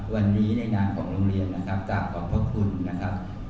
วันนี้ในนามของโรงเรียนนะครับกลับขอบพระคุณนะครับ